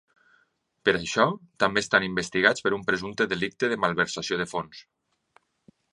Per això, també estan investigats per un presumpte delicte de malversació de fons.